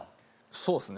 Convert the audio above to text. そうですね